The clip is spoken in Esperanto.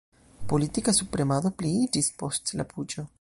Politika subpremado pliiĝis post la puĉo.